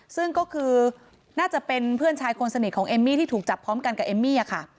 ซึ่งก็คือน่าจะเป็นเพื่อนชายคนสนิทของเอมมี่ที่ถูกจับพร้อมกันกับเอมมี่ค่ะ